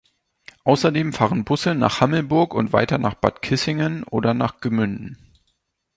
Außerdem fahren Busse nach Hammelburg und weiter nach Bad Kissingen oder nach Gemünden.